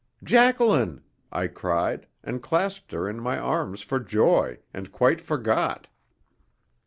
"Jacqueline!" I cried, and clasped her in my arms for joy, and quite forgot.